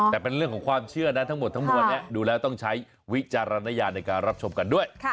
แต่เป็นเรื่องของความเชื่อนะทั้งหมดทั้งมวลนี้ดูแล้วต้องใช้วิจารณญาณในการรับชมกันด้วย